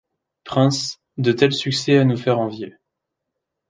Princes, de tels succès à nous faire envier